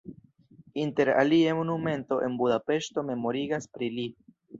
Inter alie monumento en Budapeŝto memorigas pri li.